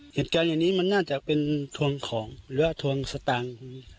เหตุการณ์อย่างนี้มันน่าจะเป็นทวงของหรือว่าทวงสตางค์